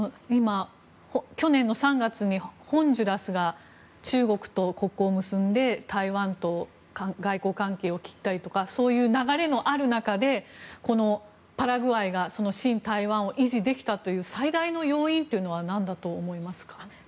去年の３月にホンジュラスが中国と国交を結んで台湾と外交関係を切ったりというそういう流れのある中でパラグアイがその親台湾を維持できたという最大の要因は何だと思いますか？